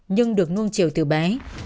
nhưng được nuông triều từ bé